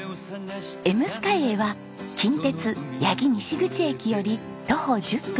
笑夢空へは近鉄八木西口駅より徒歩１０分。